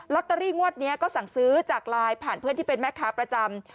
ตเตอรี่งวดนี้ก็สั่งซื้อจากไลน์ผ่านเพื่อนที่เป็นแม่ค้าประจำ